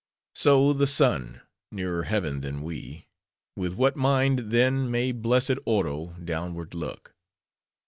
So, the sun; nearer heaven than we:—with what mind, then, may blessed Oro downward look.